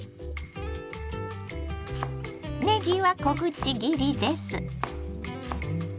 ねぎは小口切りです。